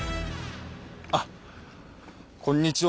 あっこんにちは。